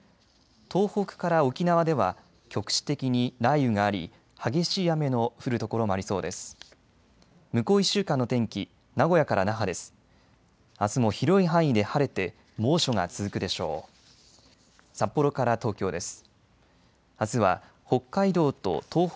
東北から沖縄では局地的に雷雨があり激しい雨の降る所もありそうです。